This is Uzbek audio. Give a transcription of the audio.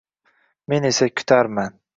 Men esa kutarman